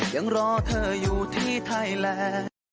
ยังรอเธออยู่ที่ไทยแลนด์